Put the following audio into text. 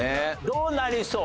どうなりそう？